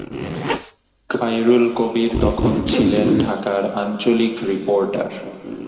খায়রুল কবির তখন ছিলেন ঢাকার আঞ্চলিক রিপোর্টার।